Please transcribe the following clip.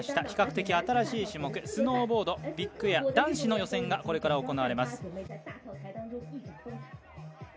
比較的新しい種目スノーボードビッグエア男子の予選がこれから行われます。